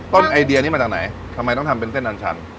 ไอเดียนี้มาจากไหนทำไมต้องทำเป็นเส้นอันชัน